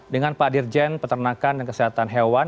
dengan pak dirjen peternakan dan kesehatan hewan